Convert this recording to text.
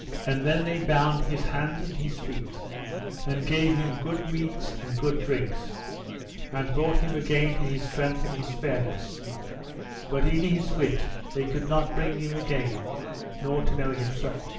And then they bound his hands and his feet, and gave him good meats and good drinks, and brought him again to his strength and his fairness; but in his wit they could not bring him again, nor to know himself.